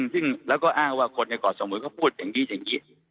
ซึ่งแล้วก็อ้างว่าคนในเกาะสมุยเขาพูดอย่างนี้อย่างนี้